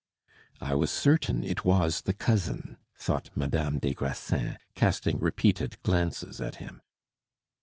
"I was certain it was the cousin," thought Madame des Grassins, casting repeated glances at him.